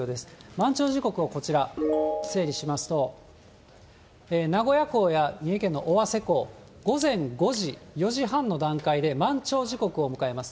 満潮時刻はこちら、整理しますと、名古屋港や三重県の尾鷲港、午前５時、４時半の段階で、満潮時刻を迎えます。